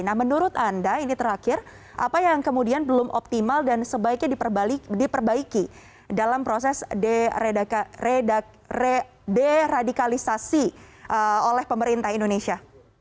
nah menurut anda ini terakhir apa yang kemudian belum optimal dan sebaiknya diperbaiki dalam proses deradikalisasi oleh pemerintah indonesia